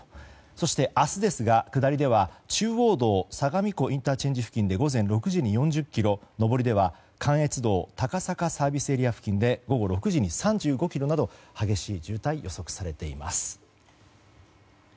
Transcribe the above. そして明日ですが、下りでは中央自動車道相模湖ＩＣ付近午前６時で４０ｋｍ上りでは関越道の高坂ＳＡ付近で午後６時に３５ｋｍなど激しい渋滞が予測されています。